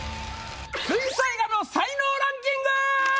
水彩画の才能ランキング！